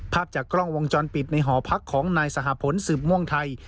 ภาพจากกล้องวงจรปิดในหอพักของนายสหพลสืบม่วงไทย